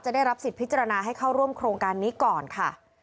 ได้รับสิทธิพิจารณาให้เข้าร่วมโครงการนี้ก่อนค่ะ